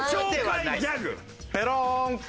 ぺろん。